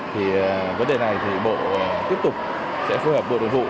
thì vấn đề này thì bộ tiếp tục sẽ phối hợp bộ đồng hữu